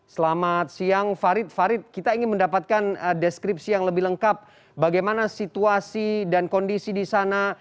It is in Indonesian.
selamat siang farid farid kita ingin mendapatkan deskripsi yang lebih lengkap bagaimana situasi dan kondisi di sana